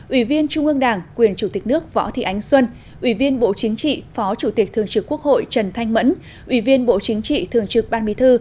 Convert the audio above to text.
ủy viên trung ương đảng quyền chủ tịch nước võ thị ánh xuân ủy viên bộ chính trị phó chủ tịch thường trực quốc hội trần thanh mẫn ủy viên bộ chính trị thường trực ban bí thư